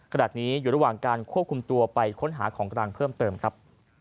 ขณะนี้อยู่ระหว่างการควบคุมตัวไปค้นหาของกลางเพิ่มเติมครับ